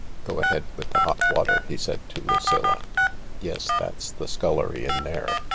J " Go ahead with the hot water," he said to Lucilla. "Yes, that's the scullery in there.